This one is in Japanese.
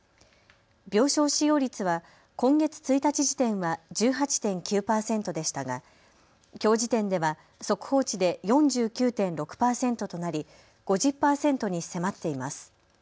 病床使用率は今月１日時点は１８．９％でしたがきょう時点では速報値で４９．６％となり５０％に迫っています。